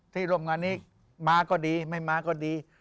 ร่วมงานนี้มาก็ดีไม่มาก็ดี